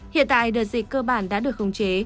hiện tại đợt dịch cơ bản đã được khống chế